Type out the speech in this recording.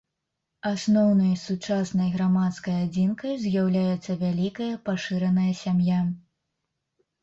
Асноўнай сучаснай грамадскай адзінкай з'яўляецца вялікая пашыраная сям'я.